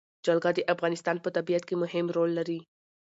جلګه د افغانستان په طبیعت کې مهم رول لري.